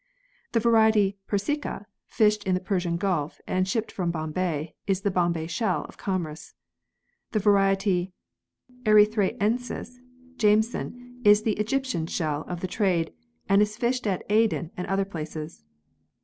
The variety persica, fished in the Persian Gulf and shipped from Bombay, is the "Bombay shell" of commerce. The variety ery thraeensis, Jameson, is the " Egyptian shell " of the trade, and is fished at Aden and other places.